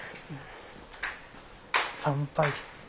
参拝。